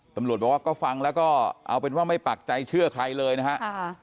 ตำรวจบอกว่าก็ฟังแล้วก็เอาเป็นว่าไม่ปักใจเชื่อใครเลยนะฮะ